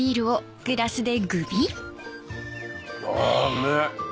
あうめぇ！